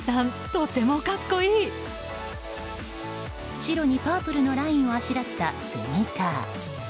白にパープルのラインをあしらったスニーカー。